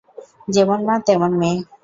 যেমন মা, তেমন মেয়ে।